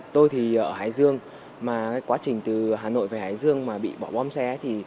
tôi thì ở hải dương mà quá trình từ hà nội về hải dương mà bị bỏ bom xe thì